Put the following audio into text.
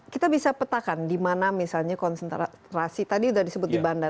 kita bisa petakan di mana misalnya konsentrasi tadi sudah disebut di bandar